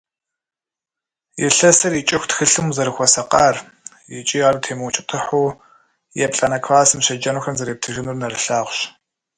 Илъэсыр икӀыху тхылъым узэрыхуэсакъар икӀи ар утемыукӀытыхьу еплӀанэ классым щеджэнухэм зэрептыжынур нэрылъагъущ.